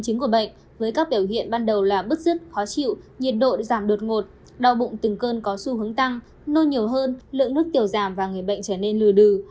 chứng của bệnh với các biểu hiện ban đầu là bứt rứt khó chịu nhiệt độ giảm đột ngột đau bụng từng cơn có xu hướng tăng nôi nhiều hơn lượng nước tiểu giảm và người bệnh trở nên lừa đừ